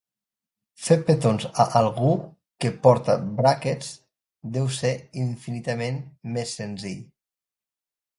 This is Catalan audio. Fer petons a algú que porta bràquets deu ser infinitament més senzill.